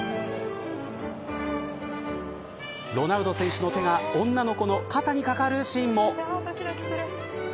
ロナウド選手の手が女の子の方にかかるシーンも。